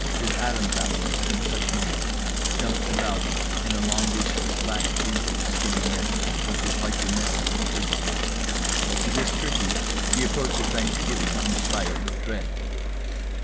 His adam's apple, at such moments, jumped about in a longish slack wrinkled skinny neck which was like the neck of a turkey. To this turkey the approach of Thanksgiving inspired dread.